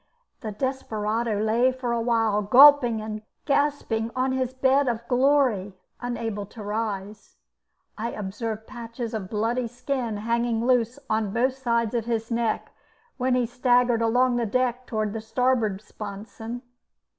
The desperado lay for a while gulping and gasping on his bed of glory, unable to rise. I observed patches of bloody skin hanging loose on both sides of his neck when he staggered along the deck towards the starboard sponson.